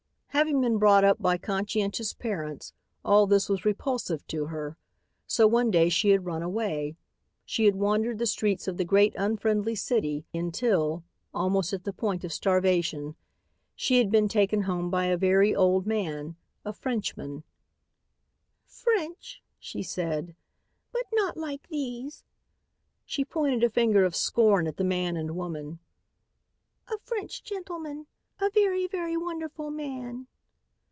Having been brought up by conscientious parents, all this was repulsive to her. So one day she had run away. She had wandered the streets of the great, unfriendly city until, almost at the point of starvation, she had been taken home by a very old man, a Frenchman. "French," she said, "but not like these," she pointed a finger of scorn at the man and woman. "A French gentleman. A very, very wonderful man."